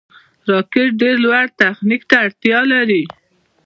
راکټ ډېر لوړ تخنیک ته اړتیا لري